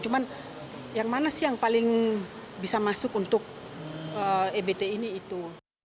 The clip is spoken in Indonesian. cuma yang mana sih yang paling bisa masuk untuk ebt ini itu